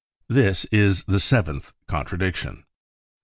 This is the seventh contradiction.